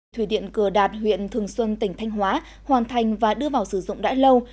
thủy điện cửa đạt huyện thường xuân tỉnh thanh hóa hoàn thành và đưa vào sử dụng đã lâu